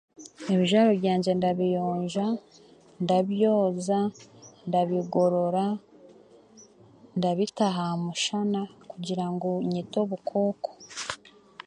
Ebijwaro byangye ndabiyonja ndabyoza ndabigorora ndabita aha mushana kugira nyite obukooko